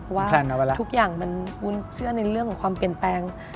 เพราะว่าทุกอย่างมันวุ้นเชื่อในเรื่องของความเปลี่ยนแปลง